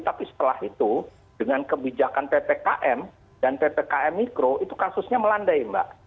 tapi setelah itu dengan kebijakan ppkm dan ppkm mikro itu kasusnya melandai mbak